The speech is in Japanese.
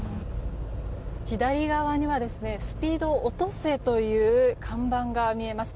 左側には「スピード落とせ」という看板が見えます。